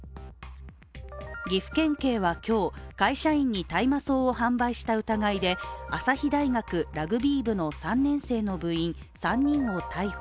岐阜県警は今日、会社員に大麻草を販売した疑いで朝日大学ラグビー部の３年生の部員３人を逮捕。